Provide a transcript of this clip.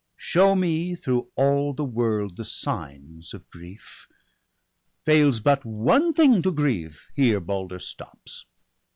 Show me through all the world the signs of grief! Fails but one thing to grieve, here Balder stops